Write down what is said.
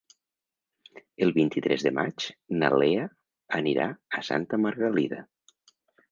El vint-i-tres de maig na Lea anirà a Santa Margalida.